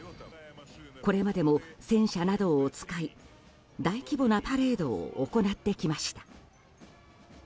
これまでも戦車などを使い大規模なパレードを行ってきました。